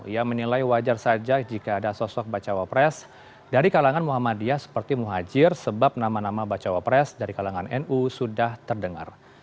ia menilai wajar saja jika ada sosok bacawa pres dari kalangan muhammadiyah seperti muhajir sebab nama nama bacawa pres dari kalangan nu sudah terdengar